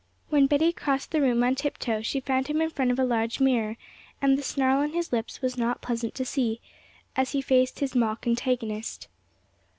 When Betty crossed the room on tip toe, she found him in front of a large mirror, and the snarl on his lips was not pleasant to see, as he faced his mock antagonist.